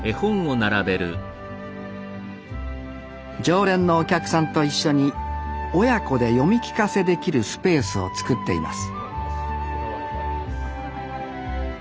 常連のお客さんと一緒に親子で読み聞かせできるスペースを作っています